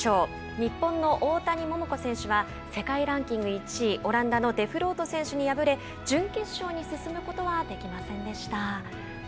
日本の大谷桃子選手が世界ランキング１位、オランダのデフロート選手に敗れ準決勝に進むことはできませんでした。